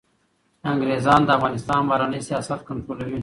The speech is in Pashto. انګریزان د افغانستان بهرنی سیاست کنټرولوي.